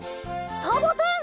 サボテン！